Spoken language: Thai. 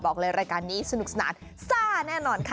บอกเลยรายการนี้สนุกสนานซ่าแน่นอนค่ะ